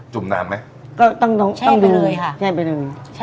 จุ่มน้ำไหมแช่ไปเลยค่ะ